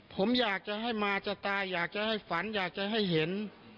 ผมอยากจะให้มาจะตายอยากจะให้ฝันอยากจะให้เห็น